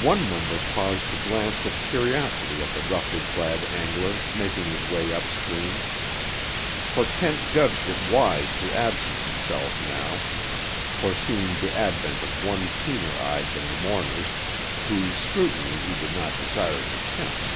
One member paused to glance with curiosity at the roughly clad angler making his way up stream. For Kent judged it wise to absent himself now, foreseeing the advent of one keener eyed than the mourners, whose scrutiny he did not desire to tempt.